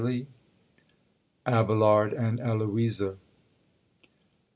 ABELARD AND ELOISA.